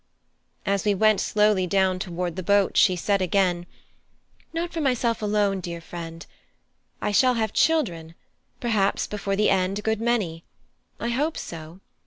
As we went slowly down toward the boats she said again: "Not for myself alone, dear friend; I shall have children; perhaps before the end a good many; I hope so.